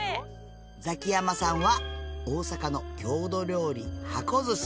ザキヤマさんは大阪の郷土料理箱寿司。